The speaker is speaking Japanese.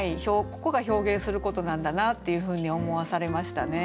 ここが表現することなんだなっていうふうに思わされましたね。